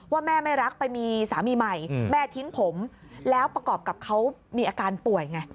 แม่ไม่รักไปมีสามีใหม่แม่ทิ้งผมแล้วประกอบกับเขามีอาการป่วยไง